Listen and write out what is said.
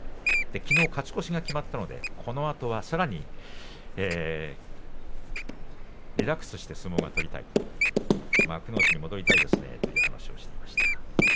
きのう勝ち越しが決まったのでこのあとはさらにリラックスして相撲が取りたい幕内に戻りたいですねという話をしていました。